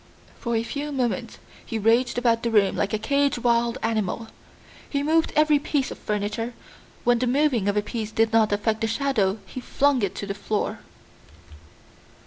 For a few moments he raged about the room like a caged wild animal. He moved every piece of furniture; when the moving of a piece did not affect the shadow he flung it to the floor.